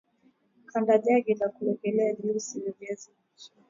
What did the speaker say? andaa jagi lakuwekea juisi ya viazi lishe